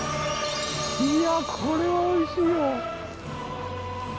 いやこれはおいしいよ！